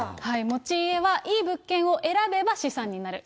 持ち家はいい物件を選べば資産になる。